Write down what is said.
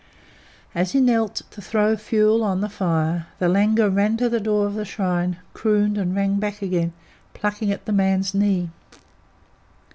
As he kneeled to throw fuel on the fire the langur ran to the door of the shrine, crooned and ran back again, plucking at the man's knee.